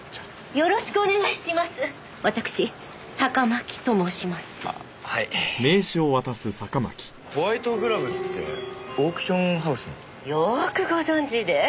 よーくご存じで。